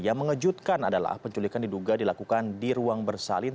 yang mengejutkan adalah penculikan diduga dilakukan di ruang bersalin